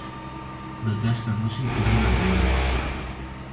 Li deşta Mûşê dirûna genim.